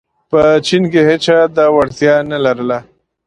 په چین کې هېچا دا وړتیا نه لرله.